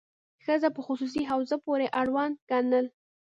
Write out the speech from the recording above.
ښځه په خصوصي حوزې پورې اړونده ګڼل.